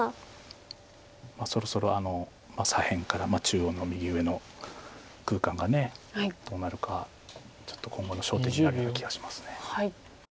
そろそろ左辺から中央の右上の空間がどうなるかちょっと今後の焦点になるような気がします。